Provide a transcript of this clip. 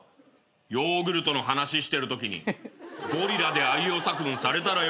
ヨーグルトの話してるときにゴリラであいうえお作文されたらよ！